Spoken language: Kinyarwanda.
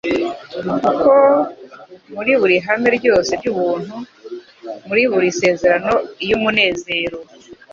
Kuko muri buri hame ryose ry'ubuntu, muri buri sezerano iy'umunezero,